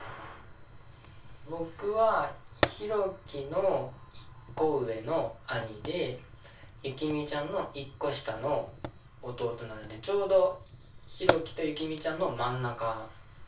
僕はヒロキの１個上の兄でユキミちゃんの１個下の弟なのでちょうどヒロキとユキミちゃんの真ん中。